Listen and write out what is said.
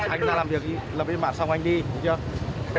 anh ra làm việc lập liên bản xong anh đi được chưa